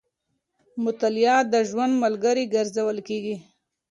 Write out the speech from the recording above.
مطالعه د ژوند ملګری ګرځول کېږي.